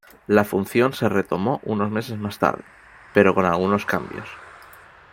La función se retomó unos meses más tarde, pero con algunos cambios.